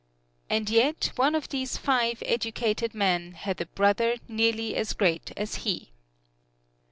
And yet one of these five educated men had a brother nearly as great as he.